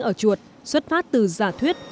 ở chuột xuất phát từ giả thuyết